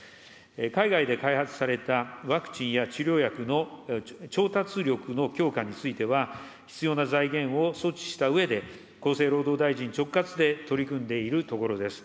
海外で開発されたワクチンや治療薬の調達力の強化については、必要な財源を措置したうえで、厚生労働大臣直轄で取り組んでいるところです。